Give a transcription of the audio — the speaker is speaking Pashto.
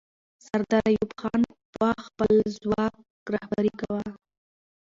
سردار ایوب خان به خپل ځواک رهبري کاوه.